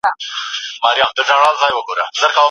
ښوونځې تللې مور د ماشوم روغتیا ته ژمنه وي.